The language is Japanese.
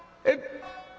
「えっ」。